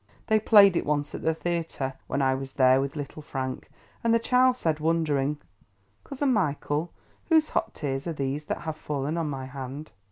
They played it once, at the Theatre, when I was there with Little Frank; and the child said wondering, "Cousin Michael, whose hot tears are these that have fallen on my hand!"